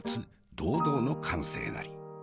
堂々の完成なり。